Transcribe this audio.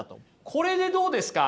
これでどうですか？